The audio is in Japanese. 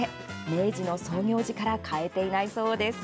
明治の創業時から変えていないそうです。